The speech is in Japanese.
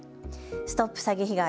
ＳＴＯＰ詐欺被害！